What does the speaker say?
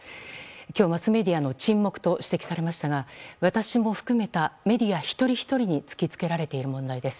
今日「マスメディアの沈黙」と指摘されましたが私も含めたメディア一人ひとりに突き付けられている問題です。